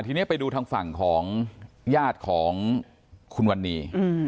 ทีนี้ไปดูทางฝั่งของญาติของคุณวันนี้